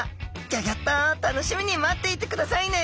ギョギョッと楽しみに待っていてくださいね！